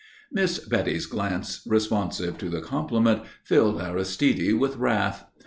Miss Betty's glance responsive to the compliment filled Aristide with wrath.